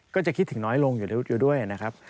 ก็จะคิดถึงน้อยลงอยู่ด้วยนะครับ